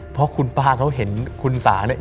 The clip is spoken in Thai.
เพราะคุณป้าเขาเห็นคุณสาเนี่ย